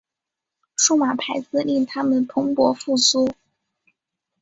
数码排字令它们蓬勃复苏。